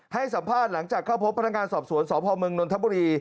ให้สัมภาษณ์หลังจากเข้าพบพนักงานสอบสวนสพมนนทบุรี